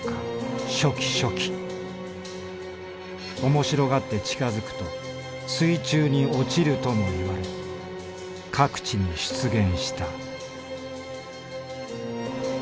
面白がって近づくと水中に落ちるともいわれ各地に出現した」。